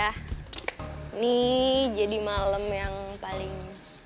ini jadi malam yang paling